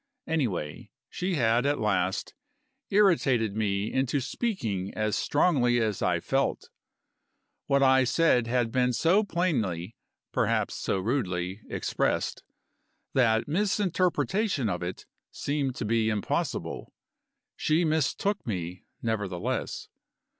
Anyway, she had at last irritated me into speaking as strongly as I felt. What I said had been so plainly (perhaps so rudely) expressed, that misinterpretation of it seemed to be impossible. She mistook me, nevertheless.